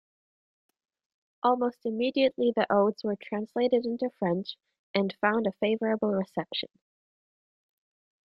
Almost immediately the odes were translated into French, and found a favourable reception.